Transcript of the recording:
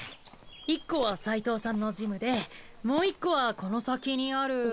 １個はサイトウさんのジムでもう１個はこの先にある。